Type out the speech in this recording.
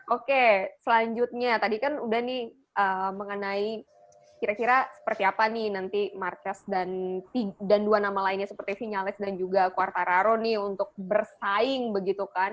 oke selanjutnya tadi kan udah nih mengenai kira kira seperti apa nih nanti marquez dan dua nama lainnya seperti vinales dan juga quartararo nih untuk bersaing begitu kan